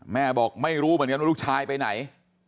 แม่บอกไม่รู้เหมือนกันว่าลูกชายไปไหน